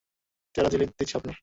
চেহারা, ঝিলিক দিচ্ছে আপনার।